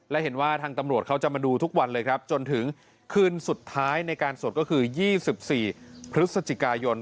และเห็นว่าทางตำรวจเขาจะมาดูทุกวันเลยครับจนถึงคืนสุดท้ายในการสวดก็คือ๒๔พฤศจิกายน